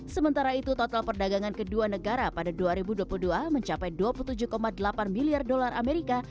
sementara itu total perdagangan kedua negara pada dua ribu dua puluh dua mencapai dua puluh tujuh delapan miliar dolar amerika